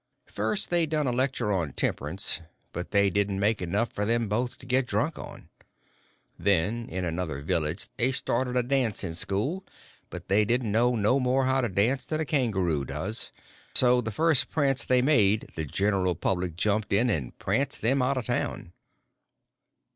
First they done a lecture on temperance; but they didn't make enough for them both to get drunk on. Then in another village they started a dancing school; but they didn't know no more how to dance than a kangaroo does; so the first prance they made the general public jumped in and pranced them out of town.